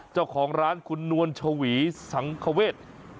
เจ้าของร้านคุณนวลชวีสังคเวท